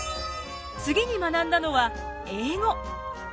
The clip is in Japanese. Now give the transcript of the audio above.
次に学んだのは英語。